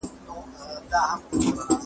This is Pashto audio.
قصاص د ژوند د حق د اخیستلو یو سبب دی.